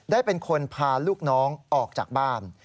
ได้เป็นคนพาลูกน้องออกจากบ้าน